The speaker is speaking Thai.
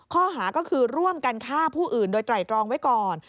ข้อหาก็คือร่วมกันฆ่าผู้อื่นโดยไตรตรองไว้ก่อน